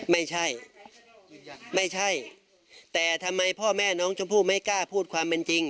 ไม่ใช่ไม่ใช่แต่ทำไมพ่อแม่น้องชมพู่ไม่กล้าพูดความเป็นจริง